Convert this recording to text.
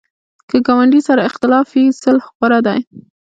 که ګاونډي سره اختلاف وي، صلح غوره ده